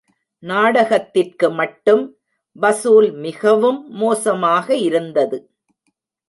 நாடகத்திற்கு மட்டும் வசூல் மிகவும் மோசமாக இருந்தது.